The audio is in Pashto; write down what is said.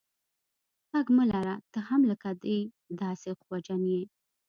ږغ مه لره ته هم لکه دی داسي خوجن یې.